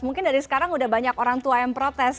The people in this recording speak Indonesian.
mungkin dari sekarang udah banyak orang tua yang protes